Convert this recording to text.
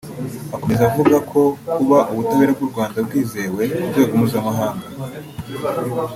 Akomeza avuga ko kuba ubutabera bw’u Rwanda bwizewe ku rwego mpuzamahanga